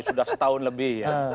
sudah setahun lebih ya